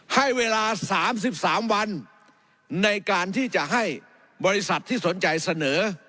ให้เวลา๓๓วันในการที่จะให้บริษัทที่สนใจเสนอ